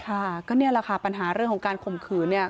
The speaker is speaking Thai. ค่ะก็นี่แหละค่ะปัญหาเรื่องของการข่มขืนเนี่ย